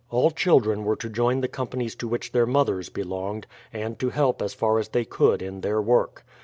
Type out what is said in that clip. All children were to join the companies to which their mothers belonged, and to help as far as they could in their work.